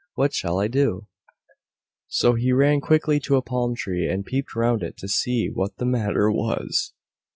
What shall I do?" So he ran quickly to a palm tree, and peeped round it to see what the matter was.